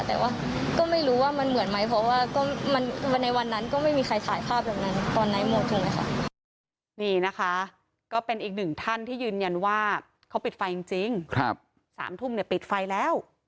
แต่ว่าก็ไม่รู้ว่ามันเหมือนไหมเพราะว่า